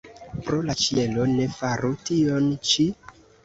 Pro la ĉielo, ne faru tion ĉi!